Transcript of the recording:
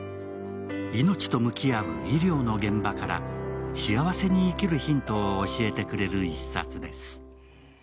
命と向き合う医療の現場から幸せに生きるヒントを教えてくれる一冊です。